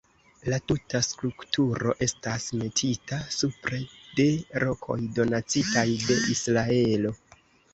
La tuta strukturo estas metita supre de rokoj donacitaj de Israelo.